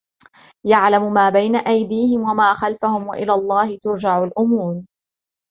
يَعْلَمُ مَا بَيْنَ أَيْدِيهِمْ وَمَا خَلْفَهُمْ وَإِلَى اللَّهِ تُرْجَعُ الْأُمُورُ